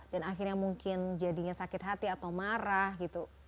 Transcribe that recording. dan akhirnya mungkin jadinya sakit hati atau marah gitu